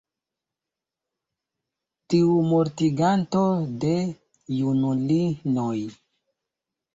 tiu mortiganto de junulinoj!